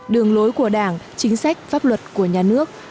đường lối của đảng chính sách pháp luật của nhà nước